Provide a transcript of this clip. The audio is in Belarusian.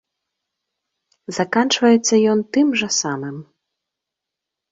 Заканчваецца ён тым жа самым.